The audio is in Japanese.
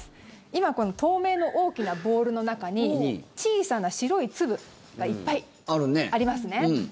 今、透明の大きなボウルの中に小さな白い粒がいっぱいありますね。